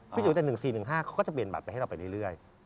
จุ๋แต่๑๔๑๕เขาก็จะเปลี่ยนบัตรไปให้เราไปเรื่อย